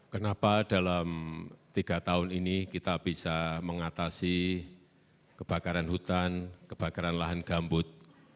kenapa dalam tiga tahun ini kita bisa mengatasi kebakaran hutan kebakaran lahan gambut